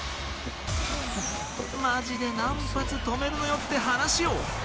マジで何発止めんのよって話よ。